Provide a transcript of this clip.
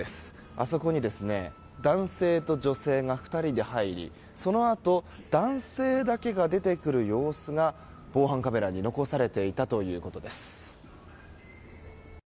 あそこに男性と女性が２人で入りそのあと男性だけが出てくる様子が防犯カメラに残されていたということです。